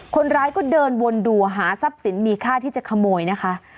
คนร้ายก็เดินวนดูหาทรัพย์สินมีค่าที่จะขโมยนะคะ